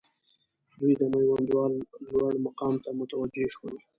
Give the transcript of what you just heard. دوی د میوندوال لوړ مقام ته متوجه شول.